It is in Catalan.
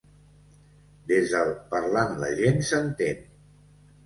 Des del “parlant la gent s’entén”.